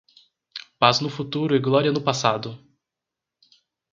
Paz no futuro e glória no passado